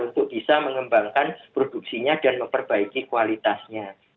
untuk bisa mengembangkan produksinya dan memperbaiki kualitasnya